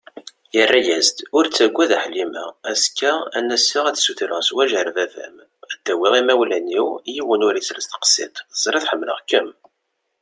Yerra-as-d: Ur ttaggad a Ḥlima, azekka ad n-aseɣ ad sutreɣ zwaǧ ar baba-m, ad d-awiɣ imawlan-iw, yiwen ur isel tseqsiḍt, teẓriḍ ḥemmleɣ-kem.